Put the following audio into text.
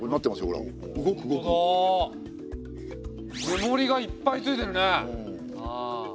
目盛りがいっぱいついてるね。